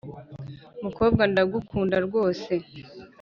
mukobwa ndagukunda rwose